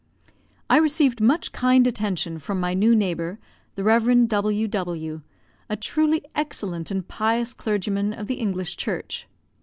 I received much kind attention from my new neighbour, the Rev. W. W , a truly excellent and pious clergyman of the English Church.